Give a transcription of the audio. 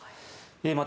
また、